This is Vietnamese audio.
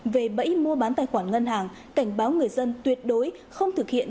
về bẫy mua bán tài khoản ngân hàng cảnh báo người dân tuyệt đối không thực hiện